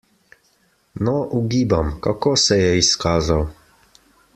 No, ugibam, kako se je izkazal?